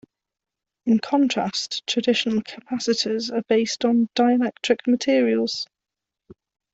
In contrast, traditional capacitors are based on dielectric materials.